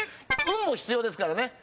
運も必要ですからね。